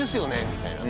みたいな。